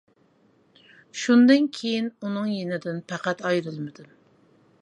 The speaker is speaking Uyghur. شۇندىن كىيىن ئۇنىڭ يېنىدىن پەقەت ئايرىلمىدىم.